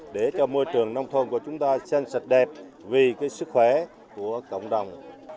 để cho môi trường nông thôn của chúng ta xanh sạch đẹp vì cái sức khỏe của cộng đồng